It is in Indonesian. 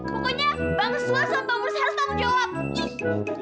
pokoknya bang suat sama bang mures harus tanggung jawab